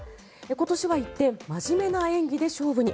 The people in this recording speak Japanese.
今年は一転真面目な演技で勝負に。